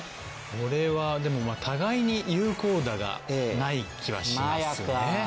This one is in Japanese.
これはでも互いに有効打がない気はしますよね。